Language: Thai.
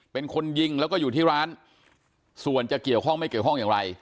เป็นคนยิงแล้วก็อยู่ที่ร้านส่วนจะเกี่ยวข้องไม่เกี่ยวข้องอย่างไร